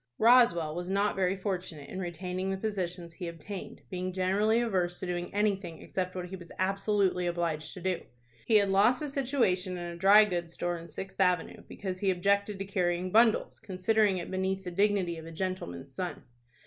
Roswell was not very fortunate in retaining the positions he obtained, being generally averse to doing anything except what he was absolutely obliged to do. He had lost a situation in a dry goods store in Sixth Avenue, because he objected to carrying bundles, considering it beneath the dignity of a gentleman's son.